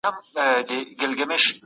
تاسو خپل مسؤليت په سمه توګه ترسره کوئ.